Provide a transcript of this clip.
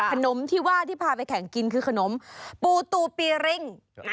ขนมที่ว่าที่พาไปแข่งกินคือขนมปูตูปีริ่ง